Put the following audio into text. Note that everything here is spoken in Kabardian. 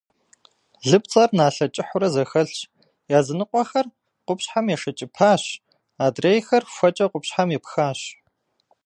Лыпцӏэр налъэ кӏыхьурэ зэхэлъщ, языныкъуэхэр къупщхьэм ешэкӏыпащ, адрейхэр хуэкӏэ къупщхьэм епхащ.